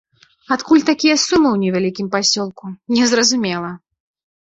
Адкуль такія сумы ў невялікім пасёлку, незразумела!